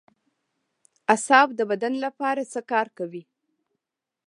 اعصاب د بدن لپاره څه کار کوي